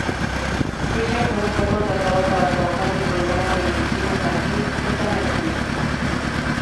Richard Hunt fue contratado para trabajar en el programa televisivo infantil "Sesame Street".